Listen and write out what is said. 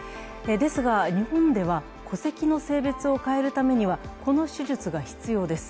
ですが、日本では戸籍の性別を変えるためにはこの手術が必要です。